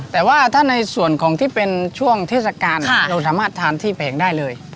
แต่ว่าถ้าในส่วนของที่เป็นช่วงเทศกาลเราสามารถทานที่แผงได้เลย